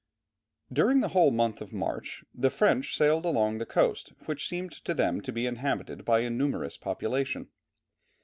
During the whole month of March the French sailed along the coast, which seemed to them to be inhabited by a numerous population.